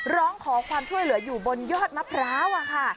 ร้องขอความช่วยเหลืออยู่บนยอดมะพร้าวอะค่ะ